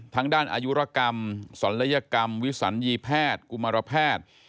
ทางด้านอายุรกรรมศัลยกรรมวิสัญญีแพทย์กุมารแพทย์